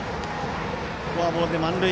フォアボールで満塁。